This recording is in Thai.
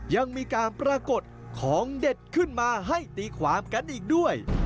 ยังมีการปรากฏของเด็ดขึ้นมาให้ตีความกันอีกด้วย